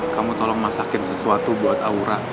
kamu tolong masakin sesuatu buat aura